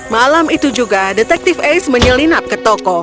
malam itu juga detective ace menyelinap ke toko